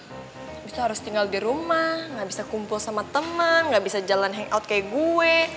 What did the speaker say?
habis itu harus tinggal di rumah gak bisa kumpul sama teman gak bisa jalan hangout kayak gue